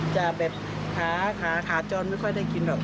จะแบบขาขาจรไม่ค่อยได้กินหรอก